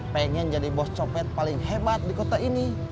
pengen jadi bos copet paling hebat di kota ini